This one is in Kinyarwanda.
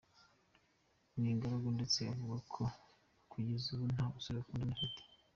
Ni ingaragu ndetse avuga ko kugeza ubu nta musore bakundana afite.